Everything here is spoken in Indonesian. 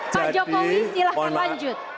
pak jokowi silahkan lanjut